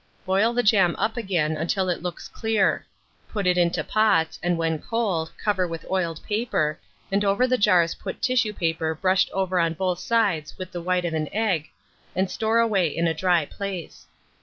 Boil the jam up again until it looks clear; put it into pots, and when cold, cover with oiled paper, and over the jars put tissue paper brushed over on both sides with the white of an egg, and store away in a dry place.